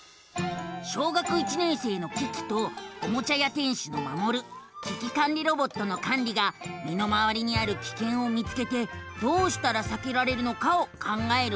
小学１年生のキキとおもちゃ屋店主のマモル危機管理ロボットのカンリがみのまわりにあるキケンを見つけてどうしたらさけられるのかを考える番組なのさ。